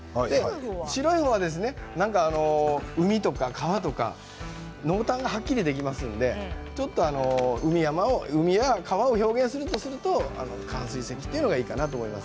白いのは海とか川とか濃淡がはっきりできますので海や川を表現するとしたら寒水石がいいかなと思います。